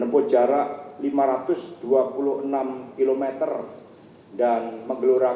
ketua situation room juga telah diperkenalkan